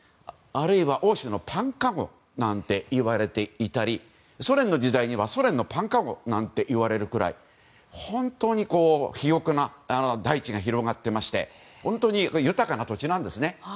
あるいは、欧州のパンかごなんていわれていたりソ連の時代にはソ連のパンかごといわれるぐらい本当に肥沃な大地が広がっていまして本当に豊かな土地なんですね。